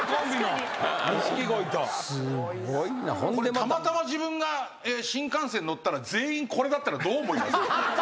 たまたま自分が新幹線乗ったら全員これだったらどう思います？